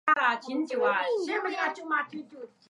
而毗邻附近有大型住宅项目升御门。